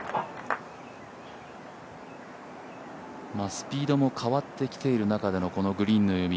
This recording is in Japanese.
スピードも変わってきている中でのグリーンの読み。